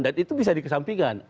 dan itu bisa dikesampingkan